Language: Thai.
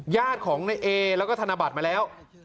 ญาติของในเอแล้วก็ธนบัตรมาแล้ว